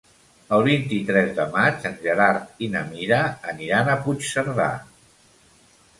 El vint-i-tres de maig en Gerard i na Mira aniran a Puigcerdà.